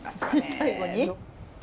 最後に？